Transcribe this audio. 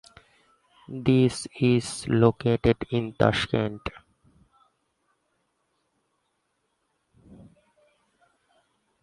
It is located in Tashkent.